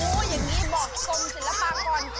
อย่างนี้บอกกรมศิลปากร